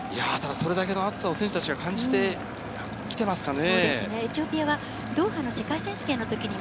それだけの暑さを選手たちが感じてきていますかね。